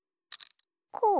こう？